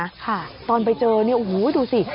ค่ะตอนไปเจอเนี่ยโอ้โหดูสิ